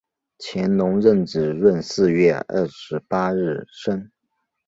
乾隆壬子闰四月二十八日生。